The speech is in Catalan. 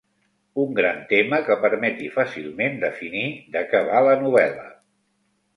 Un gran tema que permeti fàcilment definir de què va la novel·la.